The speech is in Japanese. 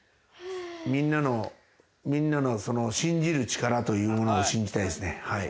みんなの信じる力というものを信じたいですね